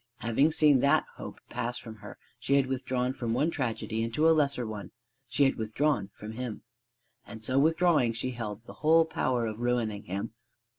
Having seen that hope pass from her, she had withdrawn from one tragedy into a lesser one: she had withdrawn from him. And so withdrawing, she held the whole power of ruining him.